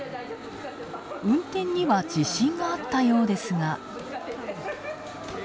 運転には自信があったようですが。